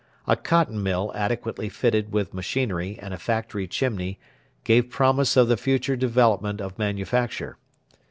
A cotton mill adequately fitted with machinery and a factory chimney gave promise of the future development of manufacture.